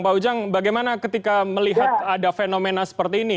pak ujang bagaimana ketika melihat ada fenomena seperti ini